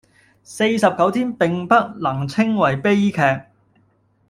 四十九天並不能稱為悲劇